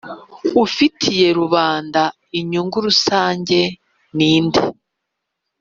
ufitiye rubanda inyungu rusange ni nde